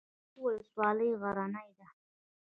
نکې ولسوالۍ غرنۍ ده؟